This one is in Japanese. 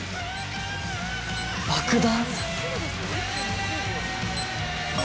◆爆弾？